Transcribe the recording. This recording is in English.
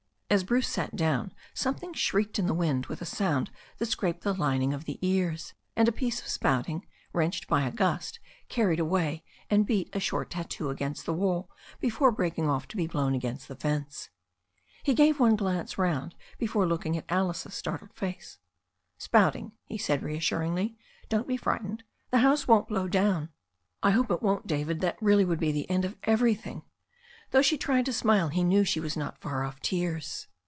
As Bruce sat down something shrieked in the wind with a sound that scraped the lining of the ears, and a piece of spouting, wrenched by a gust, carried away and beat a short tatoo against the wall, before breaking off to be blown against the fence. He gave one glance round before looking at Alice's star tled face. "Spouting," he said reassuringly. "Don't be frightened The house won't blow down." "I hope it won't, David. That really would be the end of everything." Though she tried to smile he knew she was not far off tears.